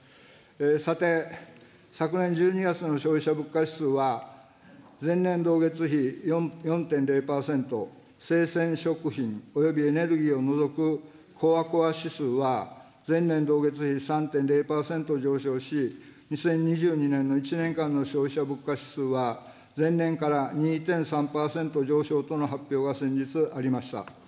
さて、昨年１２月の消費者物価指数は、前年同月比４．０％、生鮮食品およびエネルギーを除くコアコア指数は、前年度同月比３．０％上昇し、２０２２年の１年間の消費者物価指数は、前年から２．３％上昇との発表が先日、ありました。